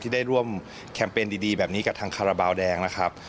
ได้ร่วมแคมเปญดีแบบนี้กับทางคาราบาลแดงนะครับ